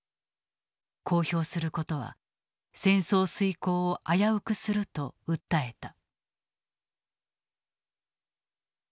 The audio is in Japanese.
公表することは戦争遂行を危うくすると訴えた。